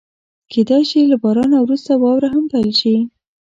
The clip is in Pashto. کېدای شي له بارانه وروسته واوره هم پيل شي.